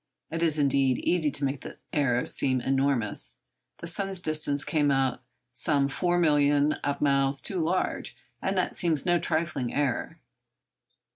It is, indeed, easy to make the error seem enormous. The sun's distance came out some four millions of miles too large, and that seems no trifling error.